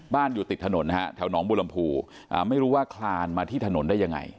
อยู่ติดถนนนะฮะแถวหนองบุรมภูไม่รู้ว่าคลานมาที่ถนนได้ยังไง